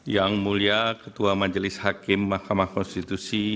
yang mulia ketua majelis hakim mahkamah konstitusi